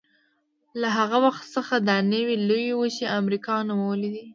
له هغه وخت څخه دا نوې لویه وچه امریکا نومولې ده.